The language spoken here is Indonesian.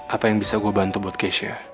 apa yang bisa gue bantu buat keisha